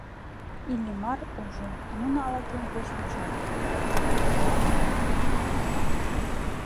Иллимар ужо: нуно ала-кӧм пеш вучат.